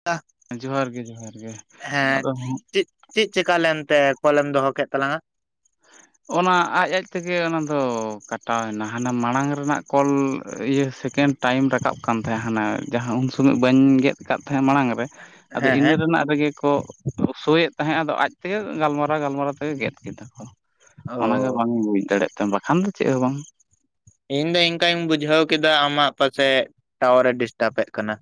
[unintelligible] ᱡᱚᱦᱟᱨ ᱜᱮ ᱡᱚᱦᱟᱨ ᱜᱮᱼᱼ ᱦᱮᱸ ᱪᱮᱫ ᱪᱮᱫ ᱪᱮᱠᱟ ᱞᱮᱱ ᱛᱮ ᱠᱚᱞᱮᱢ ᱫᱚᱦᱚ ᱠᱮᱫ ᱛᱟᱞᱟᱝ ᱟ ᱚᱱᱟ ᱟᱡ ᱟᱡ ᱛᱮ ᱜᱮ ᱚᱱᱟ ᱫᱚ ᱠᱟᱴᱟᱣ ᱮᱱᱟ ᱦᱟᱱᱟ ᱢᱟᱲᱟᱝ ᱨᱮᱱᱟᱜ ᱠᱚᱞ ᱤᱭᱟᱹ ᱥᱮᱠᱮᱱᱰ ᱴᱟᱭᱤᱢ ᱨᱟᱠᱟᱵ ᱠᱟᱱ ᱛᱟᱦᱮᱸᱜᱼᱟ ᱦᱟᱱᱮ ᱡᱟᱦᱟᱸ ᱩᱱ ᱥᱚᱢᱚᱭ ᱵᱟᱹᱧ ᱜᱮᱫᱼᱼ ᱠᱟᱫ ᱛᱟᱦᱮᱸᱫ ᱢᱟᱲᱟᱝ ᱨᱮ ᱟᱫᱚ ᱦᱮᱸ ᱤᱱᱟᱹ ᱦᱮᱸ ᱨᱮᱱᱟᱜ ᱨᱮ ᱜᱮ ᱠᱚᱼᱼ ᱥᱩᱭᱮᱫ ᱛᱟᱦᱮᱸᱜ ᱟᱫᱚ ᱟᱡ ᱛᱮ ᱜᱮ ᱜᱟᱞᱢᱟᱨᱟᱣ ᱜᱟᱞᱢᱟᱨᱟᱣ ᱛᱮ ᱜᱮ ᱜᱮᱫ ᱠᱮᱫᱟ ᱠᱚ ᱚᱱᱟ ᱜᱮ ᱚ ᱵᱟᱝ ᱤᱧ ᱵᱩᱡ ᱫᱟᱲᱮᱭᱟᱜ ᱛᱟᱦᱮᱱ ᱵᱟᱠᱷᱟᱱ ᱫᱚ ᱪᱮᱫ ᱦᱚᱸ ᱵᱟᱝᱼᱼ ᱤᱧ ᱫᱚ ᱤᱱᱠᱟᱹᱧ ᱵᱩᱡᱷᱟᱹᱣ ᱠᱮᱫᱟ ᱟᱢᱟᱜ ᱯᱟᱥᱮ ᱴᱟᱣᱟᱨ ᱮ ᱰᱤᱥᱴᱟᱯ ᱮᱜ ᱠᱟᱱᱟ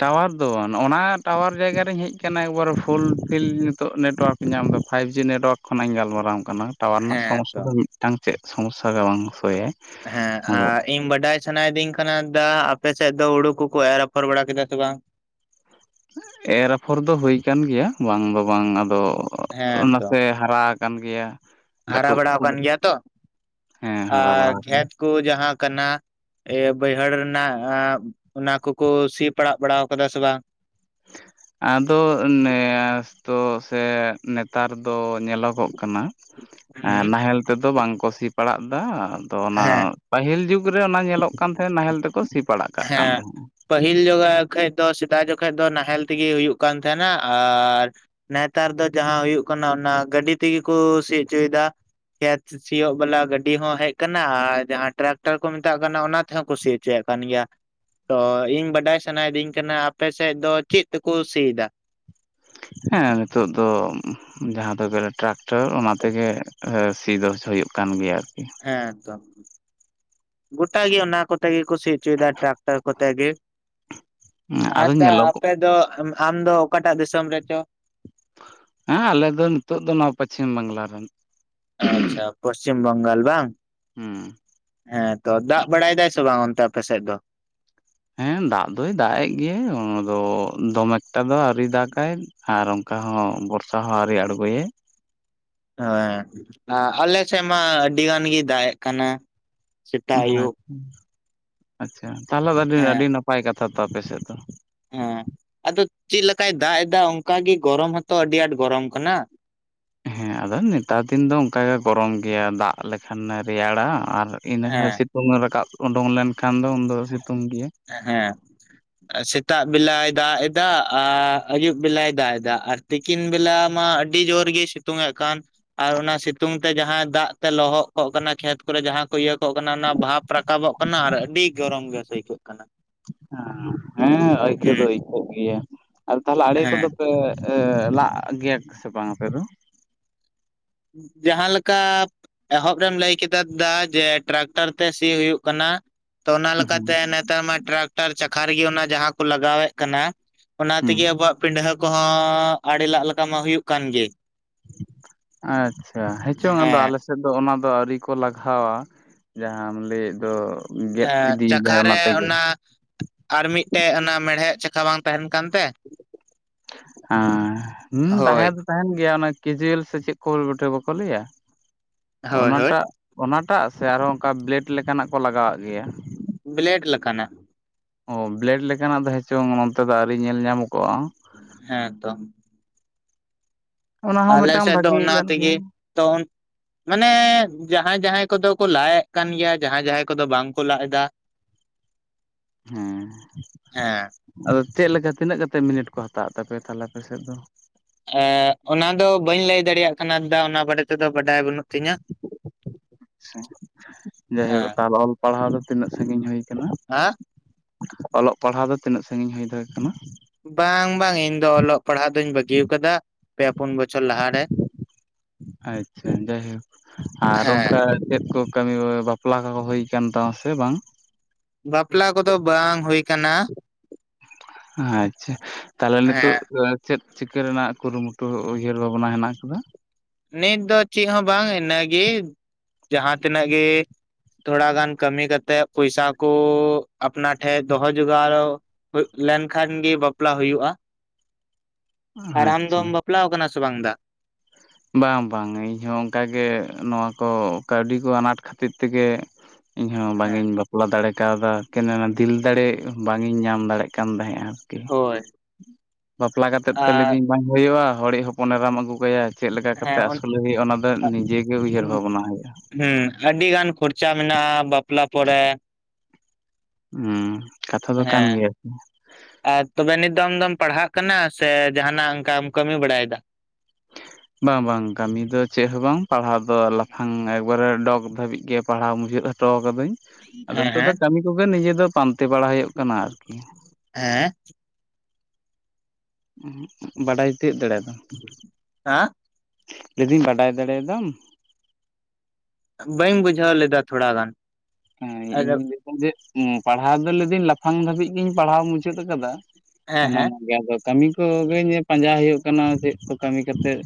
ᱴᱟᱣᱟᱨ ᱫᱚ ᱵᱟᱝᱼᱟ ᱱᱚᱜᱼᱚ ᱱᱚᱣᱟ ᱴᱟᱣᱟᱨ ᱡᱟᱭᱜᱟᱨᱤᱧ ᱦᱮᱡ ᱟᱠᱟᱱᱟ ᱮᱠᱵᱟᱨ ᱯᱷᱩᱞᱯᱷᱤᱞ ᱱᱤᱛᱚᱜ ᱱᱮᱴᱣᱟᱨᱠᱼᱼ ᱧᱟᱢᱫᱟ ᱯᱷᱟᱭᱤᱵ ᱡᱤ ᱱᱮᱴᱣᱟᱨᱠ ᱠᱷᱚᱱᱟᱜ ᱤᱧ ᱜᱟᱞᱢᱟᱨᱟᱣ ᱟᱢ ᱠᱟᱱᱟ ᱴᱟᱣᱟᱨ ᱨᱮᱱᱟᱜ ᱦᱮᱸ ᱥᱚᱢᱚᱥᱥᱟ ᱛᱚ ᱫᱚ ᱢᱤᱫᱴᱟᱝ ᱪᱮᱫ ᱥᱚᱢᱚᱥᱥᱟ ᱜᱮ ᱵᱟᱝ ᱥᱳᱭᱟᱭᱼᱼ ᱦᱮᱸ ᱟᱨ ᱤᱧ ᱵᱟᱰᱟᱭᱼᱼ ᱥᱟᱱᱟᱭ ᱤᱫᱤᱧ ᱠᱟᱱᱟ ᱫᱟ ᱟᱯᱮ ᱥᱮᱫ ᱫᱚ ᱦᱩᱲᱩ ᱠᱚ ᱠᱚ ᱮᱨ ᱨᱟᱯᱷᱚᱨ ᱵᱟᱲᱟ ᱠᱮᱫᱟ ᱥᱮ ᱵᱟᱝᱼᱼ ᱮᱨ ᱟᱯᱷᱚᱨ ᱫᱚ ᱦᱩᱭ ᱟᱠᱟᱱ ᱜᱮᱭᱟ ᱵᱟᱝ ᱫᱚ ᱵᱟᱝ ᱟᱫᱚ ᱦᱮᱸ ᱛᱚ ᱱᱟᱥᱮᱼᱼ ᱦᱟᱨᱟ ᱟᱠᱟᱱ ᱜᱮᱭᱟ ᱦᱟᱨᱟ ᱠᱟᱹᱴᱩᱵ ᱵᱟᱲᱟ ᱠᱩᱫ ᱟᱠᱟᱱ ᱜᱮᱭᱟ ᱛᱚ ᱦᱮᱸ ᱦᱟᱨᱟ ᱵᱟᱲᱟ ᱟᱨ ᱟᱠᱟᱱᱟ ᱠᱷᱮᱛ ᱠᱚ ᱡᱟᱦᱟᱸ ᱠᱟᱱᱟ ᱮ ᱵᱟᱹᱭᱦᱟᱹᱲ ᱨᱮᱱᱟᱜ ᱚᱱᱟ ᱠᱚᱠᱚ ᱥᱤ ᱯᱟᱲᱟᱜ ᱵᱟᱲᱟ ᱟᱠᱟᱫᱟ ᱥᱮ ᱵᱟᱝ ᱟᱫᱚ ᱱᱮᱥ ᱛᱚ ᱥᱮ ᱱᱮᱛᱟᱨ ᱫᱚᱼᱼ ᱧᱮᱞᱚᱜᱚᱜ ᱠᱟᱱᱟ ᱦᱩᱸ ᱱᱟᱦᱮᱞ ᱛᱮ ᱫᱚ ᱵᱟᱝ ᱠᱚ ᱥᱤ ᱯᱟᱲᱟᱜ ᱫᱟ ᱟᱫᱚ ᱚᱱᱟᱼᱼ ᱦᱮᱸ ᱯᱟᱹᱦᱤᱞ ᱡᱩᱜᱽ ᱨᱮ ᱚᱱᱟ ᱧᱮᱞᱚᱜ ᱠᱟᱱ ᱛᱟᱦᱮᱸᱫ ᱱᱟᱦᱮᱞ ᱛᱮ ᱠᱚ ᱥᱤ ᱯᱟᱲᱟᱜ ᱠᱟᱜ ᱠᱟᱱ ᱦᱮᱸ ᱛᱟᱦᱮᱸᱼᱟ ᱯᱟᱹᱦᱤᱞ ᱡᱚᱜᱟ ᱠᱷᱚᱡ ᱫᱚ ᱥᱮᱫᱟᱭ ᱡᱚᱠᱷᱚᱡ ᱫᱚ ᱱᱟᱦᱮᱞ ᱛᱮ ᱜᱮ ᱦᱩᱭᱩᱜ ᱠᱟᱱ ᱛᱟᱦᱮᱱᱟ ᱟᱨᱼᱼ ᱱᱮᱛᱟᱨ ᱫᱚ ᱡᱟᱦᱟᱸ ᱦᱩᱭᱩᱜ ᱠᱟᱱᱟ ᱚᱱᱟ ᱜᱟᱹᱰᱤ ᱛᱮ ᱜᱮ ᱠᱚ ᱥᱤ ᱦᱚᱪᱚᱭ ᱮᱫᱟ ᱠᱷᱮᱛ ᱥᱤᱭᱳᱜ ᱵᱟᱞᱟ ᱜᱟᱹᱰᱤ ᱦᱚᱸ ᱦᱮᱡ ᱟᱠᱟᱱᱟ ᱟᱨ ᱡᱟᱦᱟᱸ ᱴᱨᱟᱠᱴᱟᱨ ᱠᱚ ᱢᱮᱛᱟᱜ ᱠᱟᱱᱟ ᱚᱱᱟ ᱛᱮ ᱦᱚᱸ ᱠᱩ ᱥᱤ ᱚᱪᱚᱭᱮᱫ ᱠᱟᱱ ᱜᱮᱭᱟ ᱛᱚ ᱤᱧ ᱵᱟᱰᱟᱭ ᱥᱟᱱᱟᱭ ᱤᱫᱤᱧ ᱠᱟᱱᱟ ᱟᱯᱮ ᱥᱮᱫ ᱫᱚ ᱪᱮᱫ ᱛᱮ ᱠᱚ ᱥᱤᱭ ᱮᱫᱟ ᱦᱮᱸ ᱱᱤᱛᱚᱜ ᱫᱚᱼᱼ ᱡᱟᱦᱟᱸ ᱫᱚ ᱜᱮᱞᱮ ᱴᱨᱟᱠᱴᱚᱨ ᱚᱱᱟ ᱛᱮ ᱜᱮ ᱥᱤ ᱫᱚ ᱦᱩᱭᱩᱜ ᱠᱟᱱ ᱜᱮᱭᱟ ᱟᱨᱠᱤ ᱦᱮᱸ ᱛᱚ ᱜᱚᱴᱟ ᱜᱤ ᱚᱱᱟ ᱠᱚ ᱛᱮ ᱜᱮ ᱠᱚ ᱥᱤ ᱦᱚᱪᱚᱭ ᱮᱫᱟ ᱴᱨᱟᱠᱴᱟᱨ ᱠᱚ ᱛᱮ ᱜᱮᱼᱼ ᱟᱫᱚ ᱦᱮᱸ [unintelligible] ᱧᱮᱞᱚᱜᱚᱜ ᱟᱯᱮ ᱫᱚ ᱟᱢ ᱫᱚ ᱚᱠᱟᱴᱟᱜ ᱫᱤᱥᱚᱢ ᱨᱮᱪᱚ ᱦᱮᱸ ᱟᱞᱮ ᱫᱚ ᱱᱤᱛᱚᱜ ᱫᱚ ᱱᱚᱣᱟ ᱯᱚᱪᱷᱤᱢ ᱵᱟᱝᱞᱟ ᱨᱮᱱᱼᱼ ᱟᱪᱪᱷᱟ ᱯᱚᱥᱪᱤᱢ ᱵᱟᱝᱜᱟᱞ ᱵᱟᱝᱼᱼ ᱦᱩᱸ ᱦᱮᱸ ᱛᱚ ᱫᱟᱜ ᱵᱟᱲᱟᱭ ᱫᱟᱭ ᱥᱮ ᱵᱟᱝ ᱚᱱᱛᱮ ᱟᱯᱮ ᱥᱮᱫ ᱫᱚᱼᱼ ᱦᱮᱸ ᱫᱟᱜ ᱫᱚᱭ ᱫᱟᱜ ᱮᱜ ᱜᱮᱭᱟᱭ ᱚᱱᱟ ᱫᱚ ᱫᱚᱢᱮ ᱮᱠᱴᱟ ᱫᱚ ᱟᱹᱣᱨᱤ ᱫᱟᱜᱟᱭ ᱟᱨ ᱚᱱᱠᱟ ᱦᱚᱸ ᱵᱚᱨᱥᱟ ᱦᱚᱸ ᱟᱹᱣᱨᱤ ᱟᱬᱜᱳᱭᱟᱭ ᱦᱮᱸ ᱦᱟᱞᱮ ᱥᱮᱫ ᱢᱟ ᱟᱹᱰᱤ ᱜᱟᱱ ᱜᱤ ᱫᱟᱜ ᱮᱜ ᱠᱟᱱᱟ ᱥᱮᱛᱟᱜ ᱦᱮᱸ ᱟᱹᱭᱩᱵᱼᱼ ᱟᱪᱪᱷᱟ ᱛᱟᱦᱞᱮ ᱟᱹᱰᱤ ᱦᱮᱸ ᱟᱹᱰᱤ ᱱᱟᱯᱟᱭ ᱠᱟᱛᱷᱟ ᱛᱚ ᱟᱯᱮ ᱥᱮᱫ ᱫᱚ ᱦᱮᱸ ᱟᱫᱚ ᱪᱤᱜ ᱞᱮᱠᱟᱭ ᱫᱟᱜ ᱮᱫᱟ ᱚᱱᱠᱟ ᱜᱤ ᱜᱚᱨᱚᱢ ᱦᱚᱛᱚ ᱟᱹᱰᱤ ᱟᱸᱴ ᱜᱚᱨᱚᱢ ᱠᱟᱱᱟ ᱦᱮᱸ ᱟᱫᱚ ᱱᱮᱛᱟᱨ ᱫᱤᱱ ᱫᱚ ᱚᱱᱠᱟ ᱜᱮ ᱜᱚᱨᱚᱢ ᱜᱮᱭᱟ ᱫᱟᱜ ᱞᱮᱠᱷᱟᱱ ᱮ ᱨᱮᱭᱟᱲᱟ ᱟᱨᱼᱼ ᱤᱱᱟᱹ ᱠᱷᱟᱡ ᱦᱮᱸ ᱥᱤᱛᱩᱝ ᱨᱟᱠᱟᱵ ᱳᱰᱩᱝ ᱞᱮᱱ ᱠᱷᱟᱱ ᱫᱚ ᱩᱱ ᱫᱚ ᱥᱤᱛᱩᱝ ᱜᱤᱭᱟ ᱮᱸ ᱦᱮᱸ᱾ ᱥᱮᱛᱟᱜ ᱵᱤᱞᱟᱭ ᱫᱟᱜ ᱮᱫᱟ ᱟᱨ ᱟᱭᱩᱵ ᱵᱤᱞᱟᱭ ᱫᱟᱜ ᱮᱫᱟ ᱟᱨ ᱛᱤᱠᱤᱱ ᱵᱮᱞᱟ ᱢᱟ ᱟᱹᱰᱤ ᱡᱳᱨ ᱜᱮ ᱥᱤᱛᱩᱝ ᱮᱜ ᱠᱟᱱ᱾ ᱟᱨ ᱚᱱᱟ ᱥᱤᱛᱩᱝ ᱛᱮ ᱡᱟᱦᱟᱸ ᱫᱟᱜ ᱛᱮ ᱞᱚᱦᱚᱜ ᱠᱚᱜ ᱠᱟᱱᱟ ᱠᱷᱮᱛ ᱠᱚᱨᱮ ᱡᱟᱦᱟᱸ ᱠᱚ ᱤᱭᱟᱹ ᱠᱚᱜ ᱠᱟᱱᱟ ᱚᱱᱟ ᱵᱷᱟᱵ ᱨᱟᱠᱟᱵᱚᱜ ᱠᱟᱱᱟ ᱟᱨ ᱟᱹᱰᱤ ᱜᱚᱨᱚᱢ ᱜᱮ ᱟᱹᱭᱠᱟᱹᱜ ᱠᱟᱱᱟ᱾ ᱦᱟᱸ ᱦᱮᱸ ᱟᱹᱭᱠᱟᱹᱣ ᱦᱩᱸ ᱫᱚ ᱟᱹᱭᱠᱟᱹᱣᱜ ᱜᱮᱭᱟ, ᱟᱨ ᱛᱟᱦᱞᱮ ᱟᱲᱮ ᱦᱮᱸ ᱠᱚᱫᱚ ᱯᱮ ᱮ ᱞᱟᱜ ᱜᱮᱭᱟᱠᱚ ᱥᱮ ᱵᱟᱝ ᱟᱯᱮᱫᱚ? ᱡᱟᱦᱟᱸᱞᱮᱠᱟ ᱮᱦᱚᱵ ᱨᱮᱢ ᱞᱟᱹᱭ ᱠᱮᱫᱟ ᱫᱟ ᱡᱮ ᱴᱨᱟᱠᱴᱟᱨ ᱛᱮ ᱥᱤ ᱦᱳᱭᱩᱜ ᱠᱟᱱᱟ ᱛᱚ ᱚᱱᱟᱞᱮᱠᱟ ᱛᱮ ᱦᱩᱸ ᱱᱮᱛᱟᱨ ᱢᱟ ᱴᱨᱟᱠᱴᱟᱨ ᱪᱟᱠᱷᱟ ᱨᱤᱜᱤ ᱚᱱᱟ ᱡᱟᱦᱟᱸ ᱠᱚ ᱞᱟᱜᱟᱣᱮᱫ ᱠᱟᱱᱟ ᱚᱱᱟ ᱛᱤᱜᱤ ᱟᱵᱚᱣᱟᱜ ᱯᱤᱱᱰᱦᱟᱹ ᱠᱚᱦᱚᱸ ᱟᱲᱮ ᱞᱟᱜ ᱞᱮᱠᱟ ᱢᱟ ᱦᱳᱭᱩᱜ ᱠᱟᱱ ᱜᱮ᱾ ᱟᱪᱪᱷᱟ ᱦᱮᱸᱪᱚᱝ ᱟᱫᱚ ᱦᱮᱸ ᱟᱞᱮ ᱥᱮᱜᱫᱚ ᱚᱱᱟ ᱫᱚ ᱟᱹᱣᱨᱤ ᱠᱚ ᱞᱟᱜᱷᱟᱣᱟ ᱡᱟᱦᱟᱸᱢ ᱞᱟᱹᱭᱮᱫ ᱫᱚ ᱜᱮᱫ ᱮᱸ ᱤᱫᱤᱭᱮᱫᱟᱭ ᱪᱟᱠᱷᱟᱨᱮ ᱛᱮᱜᱮ ᱚᱱᱟ ᱟᱨ ᱢᱤᱫᱴᱮᱡ ᱚᱱᱟ ᱢᱮᱲᱦᱮᱫ ᱪᱟᱠᱷᱟ ᱵᱟᱝ ᱛᱟᱦᱮᱸᱱ ᱠᱟᱱ ᱛᱮ? ᱟᱸ ᱦᱩᱸ ᱦᱳᱭ ᱛᱟᱸᱦᱮᱸ ᱫᱚ ᱛᱟᱦᱮᱱ ᱜᱮᱭᱟ ᱚᱱᱮ ᱠᱮᱡᱩᱭᱮᱞ ᱥᱮ ᱪᱮᱫ ᱠᱷᱚᱞ ᱵᱚᱴᱷᱮ ᱵᱟᱠᱚ ᱞᱟᱹᱭᱟ ᱦᱳᱭ ᱦᱳᱭ ᱚᱱᱟᱴᱟᱜ ᱚᱱᱟᱴᱟᱜ ᱥᱮ ᱟᱨᱦᱚᱸ ᱚᱝᱠᱟ ᱵᱞᱮᱰ ᱞᱮᱠᱟᱱᱟᱜ ᱠᱚ ᱞᱟᱜᱟᱣᱟᱜ ᱜᱮᱭᱟ? ᱵᱞᱮᱰ ᱞᱮᱠᱟᱱᱟᱜ᱾ ᱚ ᱵᱞᱮᱰ ᱞᱮᱠᱟᱱᱟᱜ ᱫᱚ ᱦᱮᱪᱚᱝ ᱱᱚᱱᱛᱮ ᱫᱚ ᱟᱹᱣᱨᱤ ᱧᱮᱞ ᱧᱟᱢ ᱠᱚᱜᱼᱟ᱾ ᱦᱮᱸ ᱛᱚ᱾ ᱚᱱᱟ ᱦᱚᱸ ᱟᱞᱮ ᱢᱤᱫᱴᱟᱝ ᱥᱮᱫ ᱫᱚ ᱵᱷᱟᱜᱮ ᱚᱱᱟ ᱠᱟᱱ ᱛᱮᱜᱤ ᱜᱮᱭᱟ ᱛᱚ ᱢᱟᱱᱮ ᱡᱟᱦᱟᱸᱭ ᱡᱟᱦᱟᱸᱭ ᱠᱚᱫᱚ ᱠᱚ ᱞᱟᱭᱮᱫ ᱠᱟᱱ ᱜᱮᱭᱟ ᱡᱟᱦᱟᱸᱭ ᱡᱟᱦᱟᱸᱭ ᱠᱚᱫᱚ ᱵᱟᱝ ᱠᱚ ᱞᱟᱜ ᱫᱟ᱾ ᱦᱮᱸ᱾ ᱦᱮᱸ ᱟᱫᱚ ᱪᱮᱜ ᱞᱮᱠᱟ ᱛᱤᱱᱟᱹᱜ ᱠᱟᱛᱮᱫ ᱢᱤᱱᱤᱴ ᱠᱚ ᱦᱟᱛᱟᱣ ᱮᱫ ᱛᱟᱯᱮᱭᱟ ᱛᱟᱦᱞᱮ ᱟᱯᱮ ᱥᱮᱫ ᱫᱚ? ᱮᱸᱜ ᱚᱱᱟ ᱫᱚ ᱵᱟᱹᱧ ᱞᱟᱹᱭ ᱫᱟᱲᱮᱭᱟᱜ ᱠᱟᱱᱟ ᱫᱟ ᱚᱱᱟ ᱵᱟᱲᱮ ᱛᱮᱫᱚ ᱵᱟᱰᱟᱭ ᱵᱟᱹᱱᱩᱜ ᱛᱤᱧᱟᱹ ᱟᱪᱪᱷᱟ ᱡᱟᱭᱦᱳ ᱦᱮᱸ ᱛᱟᱦᱚᱞᱮ ᱚᱞ ᱯᱟᱲᱦᱟᱣ ᱫᱚ ᱛᱤᱱᱟᱹᱜ ᱥᱟᱺᱜᱤᱧ ᱦᱩᱭ ᱠᱟᱱᱟ? ᱦᱟᱸ? ᱚᱞᱚᱜ ᱯᱟᱲᱦᱟᱣ ᱫᱚ ᱛᱤᱱᱟᱹᱜ ᱥᱟᱺᱜᱤᱧ ᱦᱩᱭ ᱫᱟᱲᱮ ᱠᱟᱱᱟ? ᱵᱟᱝ ᱵᱟᱝ ᱤᱧ ᱫᱚ ᱚᱞᱚᱜ ᱯᱟᱲᱦᱟᱜ ᱫᱩᱧ ᱵᱟᱹᱜᱤᱭ ᱠᱟᱫᱟ ᱯᱮ ᱯᱩᱱ ᱵᱚᱪᱷᱚᱨ ᱞᱟᱦᱟᱨᱮ᱾ ᱟᱪᱪᱷᱟ, ᱡᱟᱭᱦᱳᱠ ᱟᱨ ᱦᱮᱸ ᱚᱱᱠᱟ ᱪᱮᱫ ᱠᱚ ᱠᱟᱹᱢᱤ ᱵᱟᱯᱞᱟ ᱠᱟᱠᱚ ᱦᱳᱭ ᱠᱟᱱ ᱛᱟᱢᱟ ᱥᱮ ᱵᱟᱝ? ᱵᱟᱯᱞᱟ ᱠᱚᱫᱚ ᱵᱟᱝ ᱦᱳᱭ ᱠᱟᱱᱟ᱾ ᱟᱪᱪᱷᱟ ᱛᱟᱦᱞᱮ ᱱᱤᱛᱚᱜ ᱦᱮᱸ ᱪᱮᱫ ᱪᱤᱠᱟᱹ ᱨᱮᱱᱟᱜ ᱠᱩᱨᱩᱢᱩᱴᱩ ᱩᱭᱦᱟᱹᱨ ᱵᱷᱟᱵᱽᱱᱟ ᱦᱮᱸᱱᱟᱜ ᱠᱟᱫᱟ? ᱱᱤᱛ ᱫᱚ ᱪᱤᱜ ᱦᱚᱸ ᱵᱟᱝ ᱤᱱᱟᱹᱜᱤ ᱡᱟᱦᱟᱸ ᱛᱤᱱᱟᱹᱜ ᱜᱮ ᱛᱷᱚᱲᱟ ᱜᱟᱱ ᱠᱟᱹᱢᱤ ᱠᱟᱛᱮᱜ ᱯᱩᱭᱥᱟ ᱠᱩ ᱟᱯᱱᱟ ᱴᱷᱮᱡ ᱫᱚᱦᱚ ᱡᱚᱜᱟᱲᱚ ᱦᱩᱭᱩᱜ ᱞᱮᱱᱠᱷᱟᱱᱜᱤ ᱵᱟᱯᱞᱟ ᱦᱩᱭᱩᱜᱼᱟ᱾ ᱟᱨ ᱟᱢ ᱟᱪᱪᱷᱟ ᱫᱚᱢ ᱵᱟᱯᱞᱟᱣᱠᱟᱱᱟ ᱥᱮ ᱵᱟᱝ ᱫᱟ? ᱵᱟᱝ ᱵᱟᱝ ᱤᱧᱦᱚ ᱚᱱᱠᱟᱜᱮ ᱱᱚᱣᱟ ᱠᱚ ᱠᱟᱹᱣᱰᱤ ᱠᱚ ᱟᱱᱟᱴ ᱠᱷᱟᱹᱛᱤᱨ ᱛᱮᱜᱮ ᱤᱧᱦᱚᱸ ᱵᱟᱝ ᱦᱮᱸ ᱤᱧ ᱵᱟᱯᱞᱟ ᱫᱟᱲᱮ ᱠᱟᱣᱫᱟ, ᱠᱮᱱᱮᱱᱟ ᱫᱤᱞ ᱫᱟᱲᱮ ᱵᱟᱝ ᱤᱧ ᱧᱟᱢ ᱫᱟᱲᱮᱭ ᱠᱟᱱ ᱛᱟᱦᱮᱸᱜᱼᱟ ᱟᱨᱠᱤ, ᱦᱳᱭ ᱵᱟᱯᱞᱟ ᱠᱟᱛᱮᱫ ᱛᱚ ᱞᱟᱹᱭ ᱟᱨ ᱫᱤᱧ ᱵᱟᱝ ᱦᱩᱭᱩᱜᱼᱟ, ᱦᱚᱲᱤᱡ ᱦᱚᱯᱚᱱ ᱮᱨᱟᱢ ᱟᱹᱜᱩ ᱠᱟᱭᱟ ᱪᱮᱫ ᱞᱮᱠᱟ ᱠᱟᱛᱮ ᱦᱮᱸ ᱚᱱ ᱟᱹᱥᱩᱞᱮ ᱦᱩᱭᱩᱜᱼᱟ ᱚᱱᱟ ᱫᱚ ᱱᱤᱡᱮ ᱜᱮ ᱩᱭᱦᱟᱹᱨ ᱵᱷᱟᱵᱱᱟ ᱦᱩᱭᱩᱜᱼᱟ᱾ ᱦᱩᱸ ᱟᱹᱰᱤ ᱜᱟᱱ ᱠᱷᱚᱨᱪᱟ ᱢᱮᱱᱟᱜᱼᱟ ᱵᱟᱯᱞᱟ ᱯᱚᱨᱮ᱾ ᱦᱩᱸ ᱠᱟᱛᱷᱟ ᱫᱚ ᱠᱟᱱ ᱦᱮᱸ ᱜᱮᱭᱟ ᱟᱨ ᱛᱚᱵᱮ ᱱᱤᱛ ᱫᱚ ᱟᱢ ᱫᱚᱢ ᱯᱟᱲᱦᱟᱜ ᱠᱟᱱᱟ ᱥᱮ ᱡᱟᱦᱟᱱᱟᱜ ᱚᱱᱠᱟᱢ ᱠᱟᱹᱢᱤ ᱵᱟᱲᱟᱭᱮᱫᱟ? [inaudible] ᱵᱟ ᱵᱟᱝ ᱠᱟᱹᱢᱤ ᱫᱚ ᱪᱮᱜ ᱦᱚᱸ ᱵᱟᱝ ᱯᱟᱲᱦᱟᱣ ᱫᱚ ᱞᱟᱯᱷᱟᱝ ᱮᱠᱵᱟᱨᱮ ᱰᱚᱜ ᱫᱷᱟᱹᱵᱤᱡ ᱜᱮ ᱯᱟᱲᱦᱟᱣ ᱢᱩᱪᱟᱹᱫ ᱴᱚᱣ ᱠᱟᱹᱫᱟᱹᱧ ᱟᱫᱚ ᱦᱮᱸ ᱱᱤᱛᱚᱜ ᱦᱮᱸ ᱫᱚ ᱠᱟᱹᱢᱤ ᱠᱚᱜᱮ ᱱᱤᱡᱮ ᱫᱚ ᱯᱟᱱᱛᱮ ᱵᱟᱲᱟ ᱦᱩᱭᱩᱜ ᱠᱟᱱᱟ ᱟᱨᱠᱤ᱾ ᱦᱮᱸ ᱵᱟᱰᱟᱭ ᱛᱤᱭᱟᱹᱜ ᱫᱟᱲᱮᱭᱫᱟᱢ ᱦᱟᱸ ᱞᱟᱹᱭᱫᱟᱹᱧ ᱵᱟᱰᱟᱭ ᱫᱟᱲᱮᱭᱫᱟᱢ? ᱵᱟᱹᱧ ᱵᱩᱡᱷᱟᱹᱣ ᱞᱮᱫᱟ ᱛᱷᱚᱲᱟ ᱜᱟᱱ ᱦᱮᱸ ᱤᱧ ᱟᱫᱚ ᱞᱟᱹᱭᱫᱟ ᱡᱮ ᱯᱟᱲᱦᱟᱣ ᱫᱚ ᱞᱟᱹᱭᱫᱟᱹᱧ ᱞᱟᱯᱷᱟᱝ ᱫᱷᱟᱹᱵᱤᱡ ᱜᱤᱧ ᱯᱟᱲᱦᱟᱣ ᱢᱩᱪᱟᱹᱫ ᱠᱟᱫᱟ᱾ ᱦᱮᱸ ᱦᱮᱸ ᱥᱟᱱᱟᱢᱟᱜ ᱜᱮ ᱟᱫᱚ ᱠᱟᱹᱢᱤ ᱠᱚ ᱜᱮ ᱯᱟᱸᱡᱟ ᱦᱩᱭᱩᱜ ᱠᱟᱱᱟ ᱪᱮᱫ ᱠᱚ ᱠᱟᱹᱢᱤ ᱠᱟᱛᱮᱫ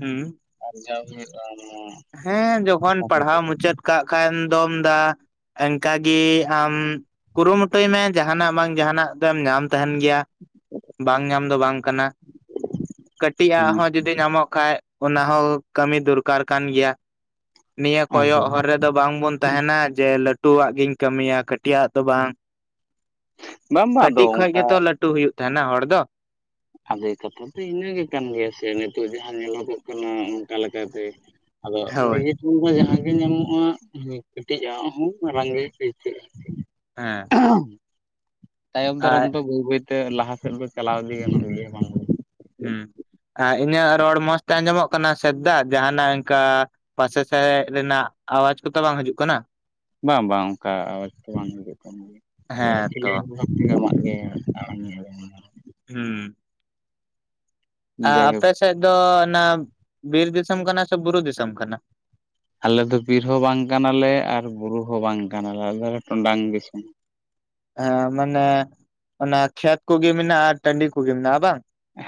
ᱦᱩᱸ ᱟᱨ ᱡᱟᱣ ᱦᱩᱭᱩᱜ-ᱟ ᱱᱳᱣᱟ ᱦᱮᱸ ᱡᱚᱠᱷᱚᱱ ᱯᱟᱲᱦᱟᱣ ᱢᱩᱪᱟᱹᱫ ᱠᱟᱜ ᱠᱷᱟᱱ ᱫᱚᱢ ᱫᱟ ᱮᱝᱠᱟᱜᱮ ᱟᱢ ᱠᱩᱨᱩᱢᱩᱴᱩᱭ ᱢᱮ ᱡᱟᱦᱟᱱᱟᱜ ᱵᱟᱝ ᱡᱟᱦᱟᱱᱟᱜ ᱫᱚᱢ ᱧᱟᱢ ᱛᱟᱦᱮᱱ ᱜᱮᱭᱟ᱾ ᱵᱟᱝ ᱧᱟᱢ ᱫᱚ ᱵᱟᱝ ᱠᱟᱱᱟ ᱠᱟᱹᱴᱤᱡ ᱦᱮᱸ ᱟᱜ ᱦᱚᱸ ᱡᱩ ᱛᱮ ᱧᱟᱢᱚᱜ ᱠᱷᱟᱡ ᱚᱱᱟ ᱦᱚᱸ ᱠᱟᱹᱢᱤ ᱫᱩᱨᱠᱟᱨ ᱠᱟᱱ ᱜᱮᱭᱟ᱾ ᱱᱤᱭᱟᱹ ᱟᱫᱚ ᱠᱚᱭᱚᱜ ᱦᱚᱨ ᱨᱮᱫᱚ ᱵᱟᱝᱵᱚᱱ ᱛᱟᱦᱮᱱᱟ ᱡᱮ ᱞᱟᱹ ᱴᱩᱣᱟᱜ ᱜᱤᱧ ᱠᱟᱹᱢᱤᱭᱟ ᱠᱟᱹᱴᱤᱜ ᱟᱜ ᱫᱚ ᱵᱟᱝ ᱵᱟᱝ ᱵᱟᱝ ᱟᱫᱚ ᱠᱟᱹᱴᱤᱜ ᱠᱷᱚᱡ ᱚᱱᱠᱟ ᱜᱮᱛᱚ ᱞᱟᱹ ᱴᱩ ᱦᱩᱭᱩᱜ ᱛᱟᱦᱮᱱᱟ ᱦᱚᱲ ᱫᱚ᱾ ᱟᱵᱮ ᱠᱟᱛᱷᱟ ᱫᱚ ᱤᱱᱟᱹᱜᱮ ᱠᱟᱱ ᱜᱮᱭᱟ ᱥᱮ ᱱᱤᱛᱚᱜ ᱡᱟᱦᱟᱸ ᱧᱮᱞᱚᱜᱚᱜ ᱠᱟᱱᱟ ᱚᱱᱠᱟ ᱞᱮᱠᱟᱛᱮ ᱟᱫᱚ ᱦᱳᱭ ᱤᱱᱟᱹᱜᱤ ᱩᱱᱦᱚᱸ ᱡᱟᱦᱟ ᱜᱮ ᱧᱟᱢᱚᱜ-ᱟ ᱠᱟᱹᱴᱤᱡ ᱟᱜ ᱦᱚᱸ ᱢᱟᱨᱟᱝ ᱜᱮ ᱟᱹᱭᱠᱟᱹᱜ-ᱟ ᱟᱨᱠᱤ᱾ ᱦᱮᱸ ᱛᱟᱭᱚᱢ ᱫᱟᱨᱚᱢ ᱟᱨ ᱫᱚ ᱵᱟᱹᱭ ᱵᱟᱹᱭᱛᱮ ᱞᱟᱦᱟ ᱥᱮᱫ ᱫᱚ ᱪᱟᱞᱟᱣ ᱤᱫᱤ ᱜᱟᱱᱚᱜ ᱜᱮᱭᱟ ᱵᱟᱝ ᱫᱚ ᱦᱩᱸ ᱟ ᱤᱧᱟᱹᱜ ᱨᱚᱲ ᱢᱚᱸᱡᱛᱮ ᱟᱸᱡᱚᱢᱚᱜ ᱠᱟᱱᱟ ᱥᱮᱫ ᱫᱟ ᱡᱟᱦᱱᱟᱜ ᱤᱱᱠᱟ ᱯᱟᱥᱮ ᱥᱟᱮᱜ ᱨᱮᱱᱟᱜ ᱟᱣᱟᱡ ᱠᱚᱛᱚ ᱵᱟᱝ ᱦᱟᱹᱡᱩᱜ ᱠᱟᱱᱟ? ᱵᱟ ᱵᱟᱝ ᱚᱝᱠᱟ ᱟᱣᱟᱡᱠᱚ ᱵᱟᱝ ᱦᱤᱡᱩᱜ ᱠᱟᱱᱟ ᱮᱠᱵᱟᱨᱮ ᱦᱮᱸ ᱛᱚ ᱠᱞᱤᱭᱟᱨ [unintelligible] ᱦᱩᱸ ᱟ ᱡᱟᱭᱦᱳᱠ ᱟᱯᱮ ᱥᱮᱫ ᱫᱚ ᱚᱱᱟ ᱵᱤᱨ ᱫᱤᱥᱚᱢ ᱠᱟᱱᱟ ᱥᱮ ᱵᱩᱨᱩ ᱫᱤᱥᱚᱢ ᱠᱟᱱᱟ? ᱟᱞᱮ ᱫᱚ ᱵᱤᱨ ᱦᱚᱸ ᱵᱟᱝ ᱠᱟᱱᱟᱞᱮ ᱟᱨ ᱵᱩᱨᱩ ᱦᱚᱸ ᱵᱟᱝ ᱠᱟᱱᱟᱞᱮ ᱟᱞᱮ ᱫᱚ ᱴᱚᱸᱰᱟᱝ ᱫᱤᱥᱚᱢ᱾ ᱦᱮᱸ ᱢᱟᱱᱮ ᱚᱱᱟ ᱠᱷᱮᱛ ᱠᱚᱜᱮ ᱢᱮᱱᱟᱜ-ᱟ ᱴᱟᱺᱰᱤ ᱠᱚᱜᱮ ᱢᱮᱱᱟᱜ-ᱟ ᱵᱟᱝ?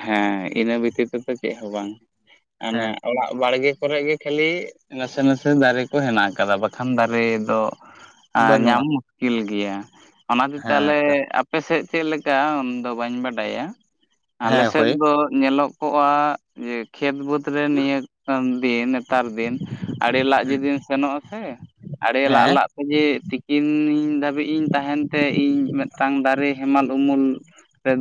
ᱦᱮᱸ ᱤᱱᱟᱹ ᱵᱤᱛᱤ ᱛᱮᱫᱚ ᱪᱮᱜ ᱦᱚᱸ ᱵᱟᱝ ᱢᱟᱱᱮ ᱦᱮᱸ ᱚᱲᱟᱜ ᱵᱟᱲᱜᱮ ᱠᱚᱨᱮ ᱜᱮ ᱠᱷᱟᱹᱞᱤ ᱱᱟᱥᱮ ᱱᱟᱥᱮ ᱫᱟᱨᱮ ᱠᱚ ᱦᱮᱱᱟᱜ ᱠᱟᱫᱟ ᱵᱟᱠᱷᱟᱱ ᱫᱟᱨᱮ ᱫᱚ ᱧᱟᱢ ᱵᱟᱹᱱᱩᱜᱼᱟ ᱠᱤᱞ ᱜᱮᱭᱟ ᱚᱱᱟᱛᱮ ᱦᱮᱸ ᱛᱟᱞᱮ ᱛᱚ ᱟᱯᱮ ᱥᱮᱜ ᱪᱮᱫ ᱞᱮᱠᱟ ᱚᱱᱫᱚ ᱵᱟᱹᱧ ᱵᱟᱰᱟᱭᱟ ᱟᱞᱮ ᱦᱮᱸ ᱥᱮᱫ ᱦᱳᱭ ᱫᱚ ᱧᱮᱞᱚᱜ ᱠᱚᱜ-ᱟ ᱡᱮ ᱠᱷᱮᱛ ᱵᱟᱹᱫᱽ ᱨᱮ ᱱᱤᱭᱟᱹ ᱫᱤᱱ ᱱᱮᱛᱟᱨ ᱫᱤᱱ ᱟᱲᱮ ᱞᱟᱜ ᱡᱩᱫᱤᱢ ᱥᱮᱱᱚᱜ-ᱟ ᱥᱮ ᱟᱲᱮ ᱞᱟᱜ ᱦᱮᱸ ᱞᱟᱜ ᱡᱮ ᱛᱤᱠᱤᱱ ᱫᱷᱟᱹᱵᱤᱡ ᱤᱧ ᱛᱟᱦᱮᱱ ᱛᱮ ᱤᱧ ᱢᱮᱜᱴᱟᱝ ᱫᱟᱨᱮ ᱦᱮᱢᱟᱞ ᱩᱢᱩᱞ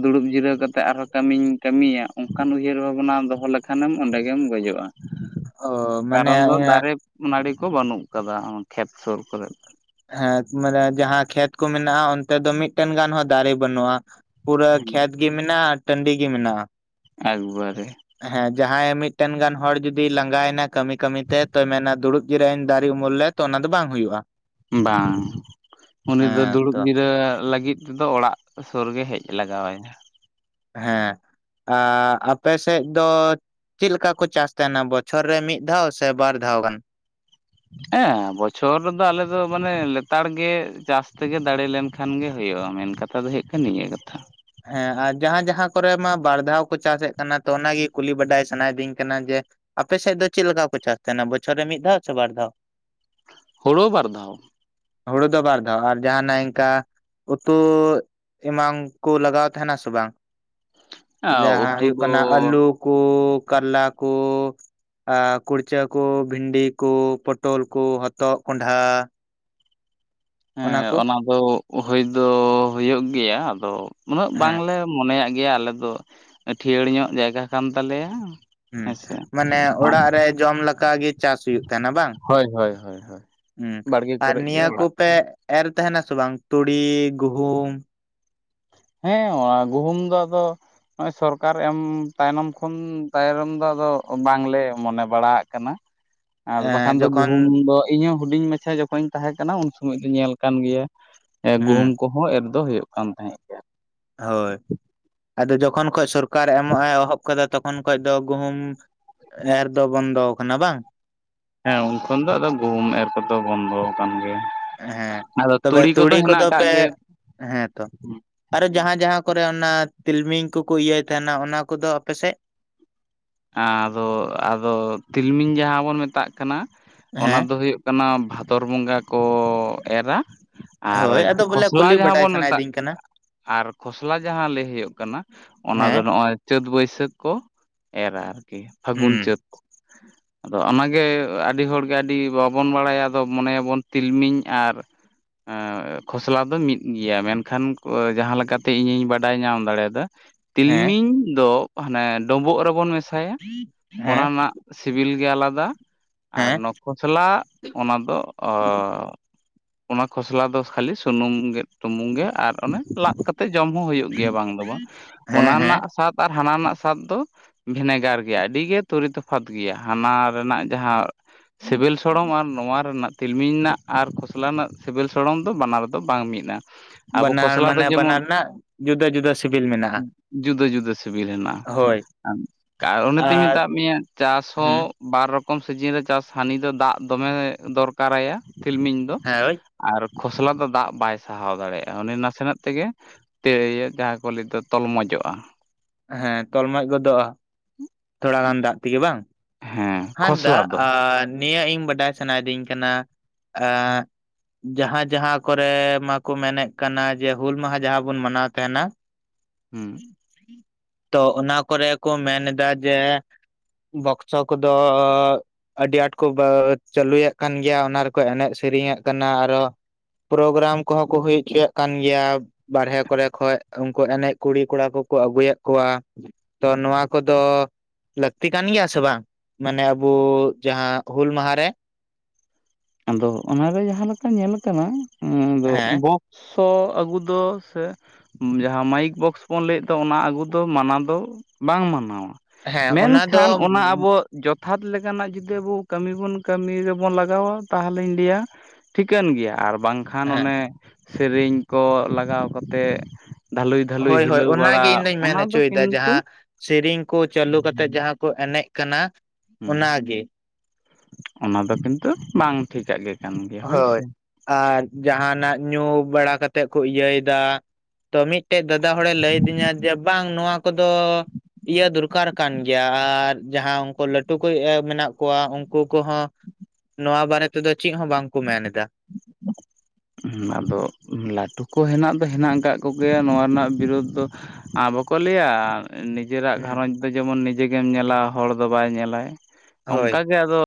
ᱫᱩᱲᱩᱵ ᱡᱤᱨᱟᱹᱣ ᱠᱟᱛᱮ ᱟᱨᱦᱚᱸ ᱠᱟᱹᱢᱤᱧ ᱠᱟᱹᱢᱤᱭᱟ ᱚᱝᱠᱟᱱ ᱩᱭᱦᱟᱹᱨ ᱵᱷᱟᱵᱱᱟ ᱫᱚᱦᱚ ᱞᱮᱠᱷᱟᱱᱮᱢ ᱚᱸᱰᱮᱜᱮᱢ ᱜᱚᱡᱚᱜ-ᱟ᱾ ᱚ ᱢᱟᱱᱮ ᱠᱟᱨᱚᱱ ᱫᱚ ᱤᱭᱟᱹ ᱫᱟᱨᱮ ᱱᱟᱹᱲᱤ ᱠᱚ ᱵᱟᱹᱱᱩᱜ ᱠᱟᱫᱟ ᱠᱷᱮᱛ ᱥᱩᱨ ᱠᱚᱨᱮ᱾ ᱦᱮᱸ ᱢᱟᱱᱮ ᱡᱟᱦᱟᱸ ᱠᱷᱮᱛ ᱠᱚ ᱢᱮᱱᱟᱜ-ᱟ ᱚᱱᱛᱮ ᱫᱚ ᱢᱤᱫᱴᱮᱱ ᱜᱟᱱ ᱦᱚᱸ ᱫᱟᱨᱮ ᱵᱟᱹᱱᱩᱜ-ᱟ ᱯᱩᱨᱟᱹ ᱠᱷᱮᱛ ᱜᱮ ᱢᱮᱱᱟᱜ-ᱟ ᱴᱺᱰᱤ ᱜᱮ ᱢᱮᱱᱟᱜ-ᱟ ᱮᱠ ᱵᱟᱨᱮ ᱦᱮᱸ ᱡᱟᱦᱟᱸᱭᱮ ᱢᱤᱫᱴᱮᱱ ᱜᱟᱱ ᱦᱚᱲ ᱡᱩᱫᱤ ᱞᱟᱸᱜᱟᱭᱮᱱᱟ ᱠᱟᱹᱢᱤ ᱠᱟᱹᱢᱤ ᱛᱮ ᱛᱚᱭ ᱢᱮᱱᱟ ᱫᱩᱲᱩᱵ ᱡᱤᱨᱟᱹᱜᱟᱹᱧ ᱫᱟᱨᱮ ᱩᱢᱩᱞ ᱞᱮᱫ᱾ ᱛᱚ ᱚᱱᱟ ᱫᱚ ᱵᱟᱝ ᱦᱩᱭᱩᱜᱼᱟ᱾ ᱵᱟᱝ, ᱩᱱᱤᱫᱚ ᱦᱮᱸ ᱫᱩᱲᱩᱵ ᱛᱚ ᱡᱤᱨᱟᱹᱜ ᱞᱟᱹᱜᱤᱫ ᱛᱮᱫᱚ ᱚᱲᱟᱜ ᱥᱩᱨ ᱜᱮ ᱦᱮᱡ ᱞᱟᱜᱟᱣ ᱟᱭᱟ᱾ ᱦᱮᱸ ᱟᱯᱮ ᱥᱮᱫ ᱫᱚ ᱪᱮᱫ ᱞᱮᱠᱟ ᱠᱚ ᱪᱟᱥ ᱛᱟᱦᱮᱱᱟ ᱵᱚᱪᱷᱚᱨ ᱨᱮ ᱢᱤᱫ ᱫᱷᱟᱣ ᱥᱮ ᱵᱟᱨ ᱫᱷᱟᱣ ᱜᱟᱱ? ᱦᱮᱸ ᱵᱚᱪᱷᱚᱨ ᱨᱮᱫᱚ ᱟᱞᱮ ᱫᱚ ᱢᱟᱱᱮ ᱞᱮᱛᱟᱲ ᱜᱮ ᱪᱟᱥ ᱛᱮᱜᱮ ᱫᱟᱲᱮ ᱞᱮᱱᱠᱷᱟᱱ ᱜᱮ ᱦᱩᱭᱩᱜᱼᱟ, ᱢᱮᱱᱠᱷᱟ ᱠᱟᱛᱷᱟ ᱫᱚ ᱦᱩᱭᱩᱜ ᱠᱟᱱᱟ ᱱᱤᱭᱟᱹ ᱠᱟᱛᱷᱟ᱾ ᱦᱮᱸ ᱟᱨ ᱡᱟᱸᱦᱟᱸ ᱡᱟᱸᱦᱟᱸ ᱠᱚᱨᱮ ᱢᱟ ᱵᱟᱨ ᱫᱷᱟᱣ ᱠᱚ ᱪᱟᱥᱮᱫ ᱠᱟᱱᱟ ᱛᱚ ᱚᱱᱟᱜᱮ ᱠᱩᱞᱤ ᱵᱟᱰᱟᱭ ᱥᱟᱱᱟᱭᱤᱫᱤᱧ ᱠᱟᱱᱟ ᱡᱮ᱾ ᱟᱯᱮ ᱥᱮᱫ ᱫᱚ ᱪᱮᱫ ᱞᱮᱠᱟ ᱠᱚ ᱪᱟᱥ ᱛᱟᱦᱮᱱᱟ ᱵᱚᱪᱷᱚᱨ ᱨᱮ ᱢᱤᱫ ᱫᱷᱟᱣ ᱥᱮ ᱵᱟᱨ ᱫᱷᱟᱣ? ᱦᱳᱲᱳ ᱵᱟᱨ ᱫᱷᱟᱣ᱾ ᱦᱩᱲᱩ ᱫᱚ ᱵᱟᱨ ᱫᱷᱟᱣ ᱟᱨ ᱡᱟᱦᱟᱱᱟᱜ ᱤᱱᱠᱟ ᱩᱛᱩ ᱮᱢᱟᱱ ᱠᱚ ᱞᱟᱜᱟᱣ ᱛᱟᱦᱮᱱᱟ ᱥᱮ ᱵᱟᱝ ᱡᱟᱸᱦᱟᱸ ᱩᱛᱩ ᱦᱩᱭᱩᱜ ᱫᱚ ᱠᱟᱱᱟ ᱟᱹᱞᱩ ᱠᱚ ᱠᱟᱞᱞᱟ ᱠᱚ ᱟᱨ ᱠᱩᱲᱪᱟᱹ ᱠᱚ ᱵᱷᱤᱱᱰᱤ ᱠᱚ ᱯᱚᱴᱚᱞ ᱠᱚ ᱦᱚᱛᱚᱫ ᱠᱚᱸᱰᱷᱟ᱾ ᱦᱮᱸ ᱚᱱᱟ ᱫᱚ ᱦᱩᱭ ᱫᱚ ᱦᱩᱭᱩᱜ ᱜᱮᱭᱟ ᱟᱫᱚ ᱩᱱᱟᱹᱜ ᱦᱮᱸ ᱵᱟᱝᱞᱮ ᱢᱚᱱᱮᱭᱟᱜ ᱜᱮᱭᱟ ᱟᱞᱮ ᱫᱚ, ᱟ. ᱴᱷᱤᱭᱟᱹᱲ ᱧᱚᱜ ᱡᱟᱭᱜᱟ ᱠᱟᱱ ᱛᱟᱞᱮᱭᱟ᱾ ᱦᱮᱸ ᱦᱮᱸᱥᱮ ᱢᱟᱱᱮ ᱚᱲᱟᱜ ᱨᱮ ᱡᱚᱢ ᱞᱮᱠᱟ ᱜᱮ ᱪᱟᱥ ᱦᱩᱭᱩᱜ ᱛᱟᱦᱮᱱᱟ ᱵᱟᱝ, ᱦᱳᱭ ᱦᱳᱭ ᱦᱳᱭ ᱦᱩᱸ ᱵᱟᱲᱜᱮ ᱟᱨ ᱠᱚᱨᱮ ᱜᱮ ᱱᱤᱭᱟᱹ ᱚᱲᱟᱜ ᱠᱚᱯᱮ ᱠᱚ ᱮᱨ ᱛᱟᱦᱮᱱᱟ ᱥᱮ ᱵᱟᱝ ᱛᱩᱲᱤ, ᱜᱩᱦᱩᱢ ᱦᱮᱸ ᱚᱱᱟ ᱜᱩᱦᱩᱢ ᱫᱚ ᱟᱫᱚ ᱱᱚᱜᱼᱚᱭ ᱥᱚᱨᱠᱟᱨ ᱮᱢ ᱛᱟᱭᱱᱚᱢ ᱠᱷᱚᱱ ᱛᱟᱭᱱᱚᱢ ᱫᱚ ᱟᱫᱚ ᱵᱟᱝᱞᱮ ᱢᱚᱱᱮ ᱵᱟᱲᱟᱜ ᱠᱟᱱᱟ ᱾ ᱟᱨ ᱵᱟᱠᱷᱟᱱ ᱮᱸ ᱫᱚ ᱡᱚᱠᱷᱚᱱ ᱜᱩᱦᱩᱢ ᱫᱚ ᱤᱧᱦᱚᱸ ᱦᱩᱰᱤᱧ ᱢᱟᱪᱷᱟ ᱡᱚᱠᱷᱚᱱ ᱤᱧ ᱛᱟᱦᱮᱸ ᱠᱟᱱᱟ ᱩᱱ ᱥᱩᱚᱢᱚᱭ ᱧᱮᱞ ᱠᱟᱱ ᱜᱮᱭᱟ ᱦᱩᱸ ᱜᱩᱦᱩᱢ ᱠᱚ ᱦᱚᱸ ᱮᱨ ᱫᱚ ᱦᱩᱭᱩᱜ ᱠᱟᱱ ᱛᱟᱦᱮᱸᱫ᱾ ᱜᱮᱭᱟ ᱦᱳᱭ, ᱟᱫᱚ ᱡᱚᱠᱷᱚᱱ ᱠᱷᱚᱡ ᱥᱚᱨᱠᱟᱨ ᱮᱢᱚᱜ ᱮ ᱮᱦᱚᱵ ᱠᱟᱫᱟ ᱛᱚᱠᱷᱚᱱ ᱠᱷᱚᱱ ᱫᱚ ᱜᱩᱦᱩᱢ ᱮᱨ ᱫᱚ ᱵᱚᱱᱫᱚ ᱠᱟᱱᱟ ᱵᱟᱝ᱾ ᱦᱮᱸ ᱩᱱᱠᱷᱚᱱ ᱫᱚ ᱟᱫᱚ ᱜᱩᱦᱩᱢ ᱮᱨ ᱠᱚᱫᱚ ᱵᱚᱱᱫᱚ ᱟᱠᱟᱱ ᱜᱮᱭᱟ᱾ ᱦᱮᱸ ᱟᱫᱚ ᱛᱚᱵᱮ ᱛᱩᱲᱤ ᱠᱚᱫᱚ ᱦᱮᱱᱟᱜ ᱟᱠᱟᱫ ᱯᱮ ᱜᱮ ᱦᱮᱸᱛᱚ ᱟᱨᱚ ᱡᱟᱸᱦᱟᱸ ᱡᱟᱸᱦᱟᱸ ᱠᱚᱨᱮ ᱚᱱᱟ ᱛᱤᱞᱢᱤᱧ ᱠᱚᱠᱚ ᱤᱭᱟᱹᱭ ᱛᱟᱦᱮᱱᱟ ᱚᱱᱟ ᱠᱚᱫᱚ ᱟᱯᱮᱥᱮᱫ ᱟᱫᱚ, ᱟᱫᱚ ᱛᱤᱞᱢᱤᱧ ᱡᱟᱦᱟᱸ ᱵᱚᱱ ᱢᱮᱛᱟᱜ ᱠᱟᱱᱟ ᱚᱱᱟ ᱦᱮᱸ ᱫᱚ ᱦᱩᱭᱩᱜ ᱦᱩᱭᱩᱜ ᱠᱟᱱᱟ ᱵᱷᱟᱫᱚᱨ ᱵᱚᱸᱜᱟ ᱠᱚ ᱮᱨᱟ᱾ ᱟᱨ ᱦᱳᱭ ᱟᱫᱚ ᱵᱚᱞᱮ ᱠᱷᱚᱥᱞᱟ ᱠᱩᱞᱤ ᱡᱟᱦᱟᱸ ᱵᱟᱰᱟᱭ ᱵᱚᱱ ᱢᱮᱛᱟᱜ ᱥᱟᱱᱟᱭᱤᱫᱤᱧ ᱠᱟᱱᱟ ᱟᱨ ᱠᱷᱚᱥᱞᱟ ᱡᱟᱦᱟᱸ ᱞᱟᱹᱭ ᱦᱩᱭᱩᱜ ᱠᱟᱱᱟ ᱚᱱᱟ ᱫᱚ ᱦᱮᱸ ᱱᱚᱜᱼᱚᱭ ᱪᱟᱹᱛ ᱵᱟᱹᱭᱥᱟᱹᱠᱷ ᱠᱚ ᱮᱨᱟ ᱟᱨᱠᱤ ᱯᱷᱟᱹᱜᱩᱱ ᱦᱩᱸ ᱪᱟᱹᱛ᱾ ᱟᱫᱚ ᱚᱱᱟᱜᱮ ᱟᱹᱰᱤ ᱦᱚᱲᱜᱮ ᱟᱹᱰᱤ ᱵᱟᱵᱚᱱ ᱵᱟᱲᱟᱭᱟ ᱟᱫᱚ ᱢᱚᱱᱮᱭᱟᱵᱚᱱ ᱛᱤᱞᱢᱤᱧ ᱟᱨ ᱮᱜ ᱠᱷᱚᱥᱞᱟ ᱫᱚ ᱢᱤᱫ ᱜᱮᱭᱟ, ᱢᱮᱱᱠᱷᱟᱱ ᱡᱟᱸᱦᱟᱸ ᱞᱮᱠᱟᱛᱮ ᱤᱧᱤᱧ ᱵᱟᱰᱟᱭ ᱧᱟᱢ ᱫᱟᱲᱮᱭᱟᱫᱟ᱾ ᱦᱮᱸ ᱛᱤᱞᱢᱤᱧ ᱫᱚ ᱦᱟᱱᱮ ᱰᱳᱵᱳᱜ ᱨᱮᱵᱚᱱ ᱢᱮᱥᱟᱭᱟ, ᱚᱱᱟ ᱦᱮᱸ ᱨᱮᱱᱟᱜ ᱥᱤᱵᱤᱞ ᱜᱮ ᱟᱞᱟᱫᱟ ᱟᱨ ᱦᱮᱸ ᱱᱚᱣᱟ ᱠᱷᱚᱥᱞᱟ ᱚᱱᱟ ᱫᱚ ᱚ ᱚᱱᱟ ᱠᱷᱚᱥᱞᱟ ᱫᱚ ᱠᱷᱟᱹᱞᱤ ᱥᱩᱱᱩᱢ ᱜᱮ ᱴᱩᱢᱩᱝ ᱜᱮ ᱟᱨ ᱚᱱᱮ ᱞᱟᱫ ᱠᱟᱛᱮᱫ ᱡᱚᱢ ᱦᱚᱸ ᱦᱩᱭᱩᱜ ᱜᱮᱭᱟ ᱵᱟᱝ ᱫᱚ ᱵᱟᱝ, ᱦᱮᱸ ᱚᱱᱟ ᱦᱮᱸ ᱨᱮᱱᱟᱜ ᱥᱟᱫ ᱟᱨ ᱦᱟᱱᱟ ᱨᱮᱱᱟᱜ ᱥᱟᱫ ᱫᱚ ᱵᱷᱮᱱᱮᱜᱟᱨ ᱜᱮᱭᱟ ᱟᱹᱰᱤ ᱜᱮ ᱛᱩᱨᱤ ᱛᱚᱯᱷᱟᱛ ᱜᱮᱭᱟ ᱦᱟᱱᱟ ᱨᱮᱱᱟᱜ ᱡᱟᱸᱦᱟᱸ ᱥᱤᱵᱤᱞ ᱥᱚᱲᱚᱢ ᱟᱨ ᱱᱚᱣᱟ ᱨᱮᱱᱟᱜ ᱛᱤᱞᱢᱤᱧ ᱨᱮᱱᱟᱜ ᱟᱨ ᱠᱷᱚᱥᱞᱟ ᱨᱮᱱᱟᱜ ᱥᱤᱵᱤᱞ ᱥᱚᱲᱚᱢ ᱫᱚ ᱵᱟᱱᱟᱨ ᱫᱚ ᱵᱟᱝ ᱢᱤᱫᱟ᱾ ᱵᱟᱱᱟᱨ ᱢᱟᱱᱮ ᱵᱟᱱᱟᱨ ᱨᱮᱱᱟᱜ ᱡᱩᱫᱟᱹ ᱡᱩᱫᱟᱹ ᱥᱤᱵᱤᱞ ᱢᱮᱱᱟᱜᱼᱟ᱾ ᱡᱩᱫᱟᱹ ᱡᱩᱫᱟᱹ ᱥᱤᱵᱤᱞ ᱦᱮᱱᱟᱜᱼᱟ᱾ ᱦᱳᱭ᱾ ᱠᱟ ᱚᱱᱟ ᱛᱤᱧ ᱟᱨ ᱢᱮᱛᱟᱜ ᱢᱮᱭᱟ ᱪᱟᱥ ᱦᱚᱸ ᱦᱩᱸ ᱵᱟᱨ ᱨᱚᱠᱚᱢ ᱥᱤᱡᱤᱱ ᱨᱮ ᱪᱟᱥ ᱦᱟᱹᱱᱤ ᱫᱚ ᱫᱟᱜ ᱫᱚᱢᱮ ᱫᱚᱨᱠᱟᱨᱟᱭᱟ ᱛᱤᱞᱢᱤᱧ ᱫᱚ, ᱦᱮᱸ ᱦᱳᱭ ᱟᱨ ᱠᱷᱚᱥᱞᱟ ᱫᱚ ᱫᱟᱜ ᱵᱟᱭ ᱥᱟᱦᱟᱣ ᱫᱟᱲᱮᱭᱟᱜᱼᱟ ᱩᱱᱤ ᱱᱟᱥᱮᱱᱟᱜ ᱛᱮᱜᱮ ᱛᱮ ᱤᱭᱟᱹ ᱡᱟᱦᱟᱸ ᱠᱚ ᱞᱮᱫᱚ ᱛᱚᱞᱢᱚᱡᱚᱜᱼᱟ᱾ ᱦᱮᱸ ᱛᱚᱞ ᱢᱚᱡ ᱜᱚᱫᱚᱜᱼᱟ ᱛᱷᱚᱲᱟ ᱜᱟᱱ ᱫᱟᱜ ᱛᱮᱜᱮ ᱵᱟᱝ? ᱦᱮᱸ᱾ ᱦᱟᱸ ᱫᱟ ᱠᱷᱚᱥᱞᱟ ᱫᱚ ᱟᱨ ᱱᱤᱭᱟᱹ ᱤᱧ ᱵᱟᱰᱟᱭ ᱥᱟᱱᱟᱭᱤᱫᱤᱧ ᱠᱟᱱᱟ ᱮᱸᱜ ᱡᱟᱦᱟᱸ ᱡᱟᱦᱟᱸ ᱠᱚᱨᱮ ᱢᱟᱠᱚ ᱢᱮᱱᱮᱜ ᱠᱟᱱᱟ ᱡᱮ ᱦᱩᱞ ᱢᱟᱦᱟ ᱡᱟᱦᱟᱸ ᱵᱚᱱ ᱢᱟᱱᱟᱣ ᱛᱟᱦᱮᱸᱱᱟ, ᱦᱩᱸ ᱛᱚ ᱚᱱᱟ ᱠᱚᱨᱮ ᱠᱚ ᱢᱮᱱ ᱮᱫᱟ ᱡᱮ ᱵᱚᱠᱥᱚ ᱠᱚᱫᱚ ᱟᱹᱰᱤ ᱟᱸᱴ ᱠᱚ ᱪᱟᱹᱞᱩᱭᱮᱫ ᱠᱟᱱ ᱜᱮᱭᱟ, ᱚᱱᱟ ᱨᱮᱠᱚ ᱮᱱᱮᱡ ᱥᱮᱨᱮᱧᱮᱫ ᱠᱟᱱᱟ, ᱟᱨᱚ ᱯᱨᱚᱜᱨᱟᱢ ᱠᱚᱦᱚᱸ ᱠᱚ ᱦᱩᱭ ᱦᱚᱪᱚᱭᱮᱫ ᱠᱟᱱ ᱜᱮᱭᱟ, ᱵᱟᱨᱦᱮ ᱠᱚᱨᱮ ᱠᱷᱚᱱᱚᱡ ᱩᱱᱠᱩ ᱮᱱᱮᱡ ᱠᱩᱲᱤ ᱠᱚᱲᱟ ᱠᱚᱠᱚ ᱟᱹᱜᱩᱭᱮᱜ ᱠᱚᱣᱟ, ᱛᱚ ᱱᱚᱣᱟ ᱠᱚᱫᱚ ᱞᱟᱹᱠᱛᱤ ᱠᱟᱱ ᱜᱮᱭᱟ ᱥᱮ ᱵᱟᱝ? ᱢᱟᱱᱮ ᱟᱵᱩ ᱡᱟᱦᱟᱸ ᱦᱩᱞ ᱢᱟᱦᱟᱨ ᱨᱮ? ᱟᱫᱚ ᱚᱱᱟᱨᱮ ᱡᱟᱦᱟᱸ ᱞᱮᱠᱟ ᱧᱮᱞ ᱠᱟᱱᱟ ᱟᱫᱚ ᱦᱮᱸ ᱵᱚᱠ ᱥᱚ ᱟᱹᱜᱩ ᱫᱚ ᱥᱮ ᱡᱟᱦᱟᱸ ᱢᱟᱭᱤᱠ ᱵᱚᱠᱥ ᱵᱚᱱ ᱞᱟᱹᱭᱮᱫ ᱫᱚ ᱚᱱᱟ ᱟᱜᱩ ᱫᱚ ᱢᱟᱱᱟᱣ ᱫᱚ ᱵᱟᱝ ᱢᱟᱱᱟᱣᱟ, ᱦᱮᱸ ᱚᱱᱟ ᱫᱚ ᱢᱮᱱᱠᱷᱟᱱ ᱚᱱᱟ ᱟᱵᱚ ᱡᱚᱛᱷᱟᱛ ᱞᱮᱠᱟᱱᱟᱜ ᱡᱩᱫᱤ ᱟᱵᱚ ᱠᱟᱹᱢᱤ ᱵᱚᱱ ᱠᱟᱹᱢᱤ ᱨᱮᱵᱚᱱ ᱞᱟᱜᱟᱣᱟ ᱛᱟᱦᱚᱞᱮᱧ ᱞᱟᱹᱭᱟ ᱴᱷᱤᱠᱟᱹᱱ ᱜᱮᱭᱟ ᱟᱨ ᱵᱟᱝᱠᱷᱟᱱ ᱦᱮᱸ ᱚᱱᱮ ᱥᱮᱨᱮᱧ ᱠᱚ ᱞᱟᱜᱟᱣ ᱠᱟᱛᱮᱜ ᱦᱳᱭ ᱦᱳᱭ ᱚᱱᱟᱜᱮ ᱤᱧ ᱫᱩᱧ ᱢᱮᱱ ᱫᱚ ᱦᱚᱪᱚᱭᱫᱟ, ᱠᱤᱱᱛᱩ ᱡᱟᱦᱟᱸ ᱥᱮᱨᱮᱧ ᱠᱚ ᱪᱟᱹᱞᱩ ᱠᱟᱛᱮᱜ ᱡᱟᱦᱟᱸ ᱠᱩ ᱮᱱᱮᱡ ᱠᱟᱱᱟ, ᱦᱩᱸ ᱚᱱᱟᱜᱮ ᱚᱱᱟ ᱫᱚ ᱠᱤᱱᱛᱩᱨ ᱵᱟᱝ ᱴᱷᱤᱠᱟᱜ ᱜᱮ ᱠᱟᱱ ᱜᱮᱭᱟ ᱥᱮ ᱦᱳᱭ ᱟᱨ ᱡᱟᱦᱟᱸᱱᱟᱜ ᱧᱩ ᱵᱟᱲᱟ ᱠᱟᱛᱮᱜ ᱠᱚ ᱤᱭᱟᱹᱭᱫᱟ, ᱛᱚ ᱢᱤᱫᱴᱮᱡ ᱫᱟᱫᱟ ᱦᱚᱲᱮ ᱞᱟᱹᱭ ᱟᱹᱫᱤᱧᱟ ᱡᱮ ᱵᱟᱝ ᱱᱚᱣᱟ ᱠᱚᱫᱚ ᱤᱭᱟᱹ ᱫᱚᱨᱠᱟᱨ ᱠᱟᱱ ᱜᱮᱭᱟ, ᱟᱨ ᱡᱟᱦᱟᱸᱭ ᱩᱱᱠᱩ ᱞᱟᱹᱴᱩ ᱠᱚ ᱢᱮᱱᱟᱜ ᱠᱚᱣᱟ ᱩᱱᱠᱩ ᱠᱚᱦᱚᱸ ᱱᱚᱣᱟ ᱵᱟᱨᱮ ᱛᱮ ᱫᱚ ᱪᱮᱫ ᱦᱚᱸ ᱵᱟᱝ ᱠᱚ ᱢᱮᱱ ᱮᱫᱟ᱾ [inaudible] ᱟᱫᱚ ᱞᱟᱹᱴᱩ ᱠᱚ ᱦᱮᱱᱟᱜ ᱫᱚ ᱦᱮᱱᱟᱜ ᱠᱚ ᱫᱚ ᱠᱚᱜᱮᱭᱟ ᱱᱚᱣᱟ ᱨᱮᱱᱟᱜ ᱵᱤᱨᱩᱫ ᱫᱚ ᱟᱸ ᱵᱟᱠᱚ ᱞᱟᱹᱭᱟ ᱱᱤ ᱱᱤᱡᱮᱨᱟᱜ ᱦᱩᱸ ᱜᱷᱟᱨᱚᱸᱡ ᱫᱚ ᱡᱮᱢᱚᱱ ᱱᱤᱡᱮ ᱜᱮᱢ ᱧᱮᱞᱟ ᱦᱚᱲ ᱫᱚ ᱵᱟᱭ ᱧᱮᱞᱟᱭ, ᱦᱳᱭ ᱚᱝᱠᱟ ᱜᱮ ᱟᱫᱚ